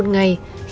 có gia đình